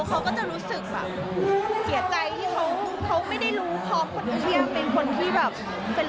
เขาก็จะรู้สึกแบบ